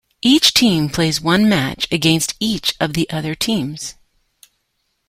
Each team plays one match against each of the other teams.